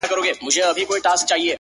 مُريد ښه دی ملگرو او که پير ښه دی ـ